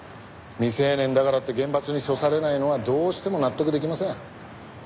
未成年だからって厳罰に処されないのはどうしても納得できません。